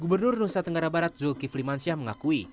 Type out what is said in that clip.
gubernur nusa tenggara barat zulkif limansyah mengakui